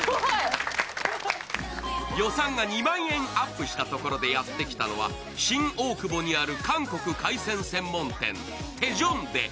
予算が２万円アップしたところでやってきたのは新大久保にある韓国海鮮専門店テジョンデ。